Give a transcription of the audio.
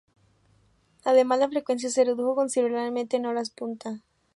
Además la frecuencia se redujo considerablemente en horas punta.